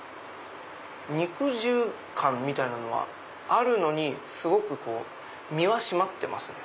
肉汁感みたいのはあるのにすごく身は締まってますね。